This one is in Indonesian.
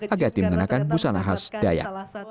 agati mengenakan busana khas dayak